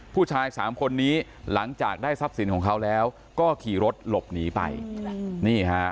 ผู้ชายสามคนนี้หลังจากได้ทรัพย์สินของเขาแล้วก็ขี่รถหลบหนีไปนี่ฮะ